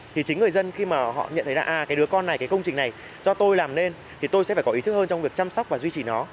thì chính người dân khi mà họ nhận thấy là à cái đứa con này cái công trình này do tôi làm nên thì tôi sẽ phải có ý thức hơn trong việc chăm sóc và duy trì nó